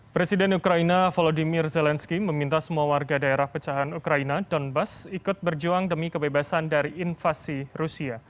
presiden ukraina volodymyr zelensky meminta semua warga daerah pecahan ukraina donbass ikut berjuang demi kebebasan dari invasi rusia